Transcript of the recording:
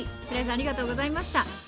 しらいさんありがとうございました。